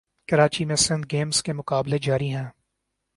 کراچی میں سندھ گیمز کے مقابلے جاری ہیں